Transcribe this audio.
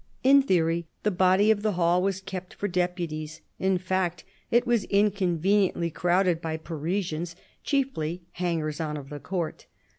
In theory, the body of the hall was kept for deputies; in fact, it was inconveniently crowded by Parisians, chiefly hangers on of the Court.